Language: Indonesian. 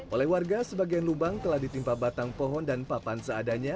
oleh warga sebagian lubang telah ditimpa batang pohon dan papan seadanya